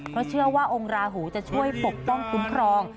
เพราะเชื่อว่าองค์ราหูจะช่วยปกป้องคุ้มครอง